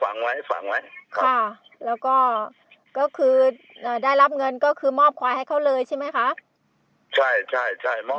ได้รับเงินก็คือมอบควายให้เขาเลยใช่ไหมคะ